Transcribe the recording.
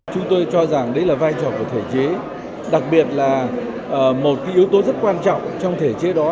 chúng tôi cho rằng đấy là vai trò của thể chế đặc biệt là một yếu tố rất quan trọng trong thể chế đó